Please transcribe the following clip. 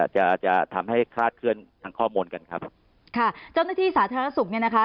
จะจะทำให้คลาดเคลื่อนทางข้อมูลกันครับค่ะเจ้าหน้าที่สาธารณสุขเนี่ยนะคะ